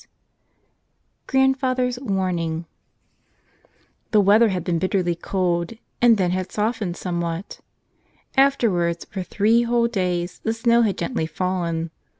21 (5tanDfatJ)ct'0 fHJarnfng CHE WEATHER had been bitterly cold, and then had softened somewhat. Afterwards, for three whole days, the snow had gently fallen.